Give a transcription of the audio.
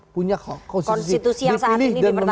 punya konstitusi yang dipilih dan memilih